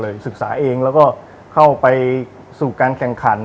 ศึกษาเองแล้วก็เข้าไปสู่การแข่งขัน